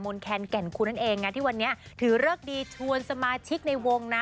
แคนแก่นคุณนั่นเองนะที่วันนี้ถือเลิกดีชวนสมาชิกในวงนะ